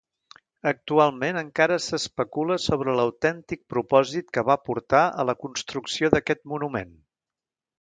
Actualment encara s'especula sobre l'autèntic propòsit que va portar a la construcció d'aquest monument.